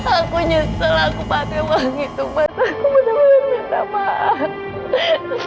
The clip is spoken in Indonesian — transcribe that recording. aku nyesel aku pakai uang itu mas aku bener bener nggak maaf